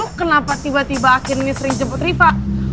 lo kenapa tiba tiba akhirnya sering jemput riva